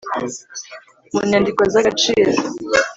mu nyandiko z agaciro